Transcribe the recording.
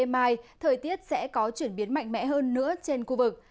tại đêm mai thời tiết sẽ có chuyển biến mạnh mẽ hơn nữa trên khu vực